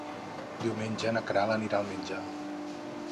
Diumenge na Queralt anirà al metge.